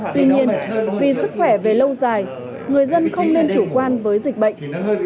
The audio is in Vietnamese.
tuy nhiên vì sức khỏe về lâu dài người dân không nên chủ quan với dịch bệnh